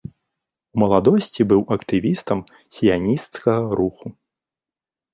У маладосці быў актывістам сіянісцкага руху.